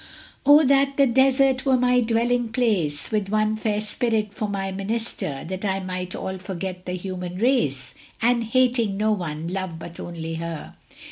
Oh that the desert were my dwelling place, With one fair Spirit for my minister, That I might all forget the human race, And, hating no one, love but only her!